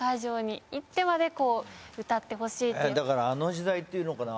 だからあの時代っていうのかな。